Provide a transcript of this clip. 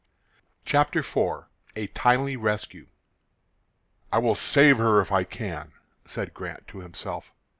CHAPTER IV A TIMELY RESCUE "I will save her if I can," said Grant to himself.